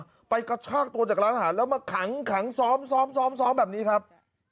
ของพี่ด้านเป้าไปกระชากตัวจากร้านอาหารแล้วมาขังกระชกสองแบบนี้ครับ